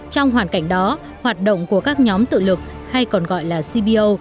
trong hoàn cảnh đó hoạt động của các nhóm tự lực hay còn gọi là cbo